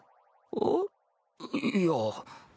あっ？いや。